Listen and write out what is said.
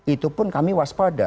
itu pun kami waspada